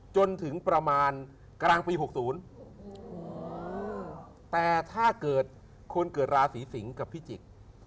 จนถึงประมาณกลางปี๖๐แต่ถ้าเกิดคนเกิดราศีสิงกับพิจิกษ์